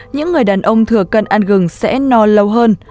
những người đàn ông thừa cân ăn gừng sẽ no lâu hơn